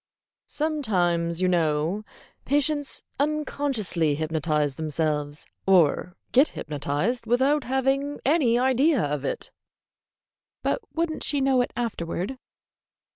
"Sometimes, you know, patients unconsciously hypnotize themselves, or get hypnotized, without having any idea of it." "But would n't she know it afterward?"